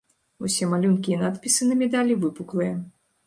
Усе малюнкі і надпісы на медалі выпуклыя.